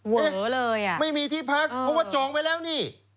เอ๊ะไม่มีที่พักเพราะว่าจองไว้แล้วนี่